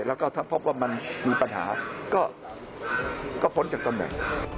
แล้วก็เพราะว่ามันมีปัญหาก็พ้นกันต่อไป